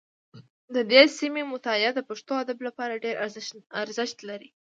د دې سیمې مطالعه د پښتو ادب لپاره ډېر ارزښت لري